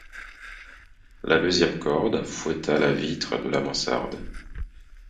La deuxième corde fouetta la vitre de la mansarde.